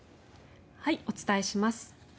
お伝えします。